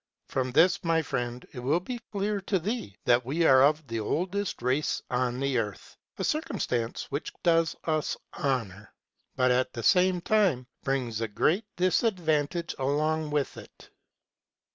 From this, my friend, it will be clear to thee that we are of the oldest race on the earth, ŌĆö a circumstance which does us honor, but at the same time brings great disadvantage along with it.